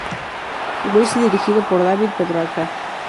Weiss y dirigido por David Petrarca.